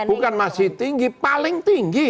bukan masih tinggi paling tinggi